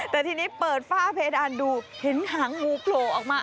แต่ทีนี้เปิดฝ้าเพดานดูเห็นหางงูโผล่ออกมา